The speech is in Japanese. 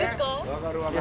分かる分かる。